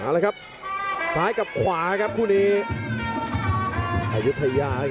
เลยครับซ้ายกับขวาครับคู่นี้